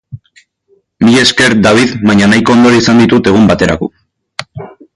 Mila esker, David, baina nahiko ondorio izan ditut egun baterako.